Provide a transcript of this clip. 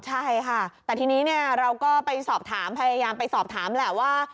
ใช่ค่ะแต่ทีนี้เราก็ไปสอบถามพยายามไปสอบถามแหละว่า